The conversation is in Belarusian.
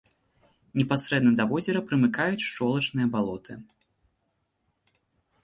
Непасрэдна да возера прымыкаюць шчолачныя балоты.